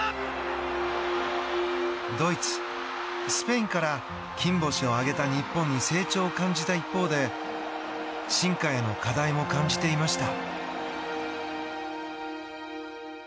ドイツ、スペインから金星を挙げた日本に成長を感じた一方で進化への課題も感じていました。